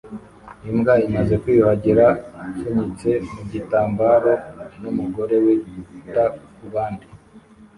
Imbwa imaze kwiyuhagira ipfunyitse mu gitambaro n’umugore wita ku bandi